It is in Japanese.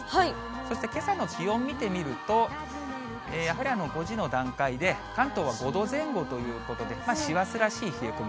そしてけさの気温見てみると、やはり５時の段階で、関東は５度前後ということで、師走らしい冷え込み。